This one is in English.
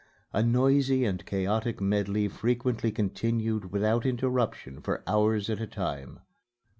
A noisy and chaotic medley frequently continued without interruption for hours at a time.